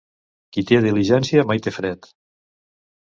Qui té diligència mai té fred.